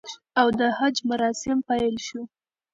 او د حج مراسم پیل شو